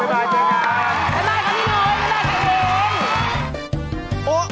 บ๊ายบายค่ะพี่หนุ๊ยบ๊ายบายค่ะคุณอิงค์